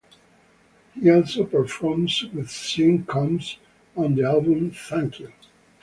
He also performs with Sean Combs on the album "Thank You".